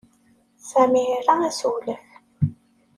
Sami ira assewlef.